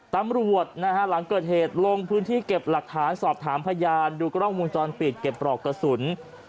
ตำรวจนะฮะหลังเกิดเหตุลงพื้นที่เก็บหลักฐานสอบถามพยานดูกล้องวงจรปิดเก็บปลอกกระสุน